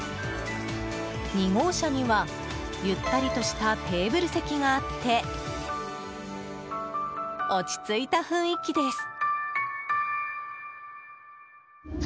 ２号車には、ゆったりとしたテーブル席があって落ち着いた雰囲気です。